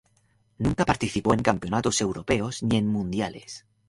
Nunca participó en campeonatos europeos ni en mundiales.